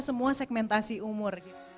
semua segmentasi umur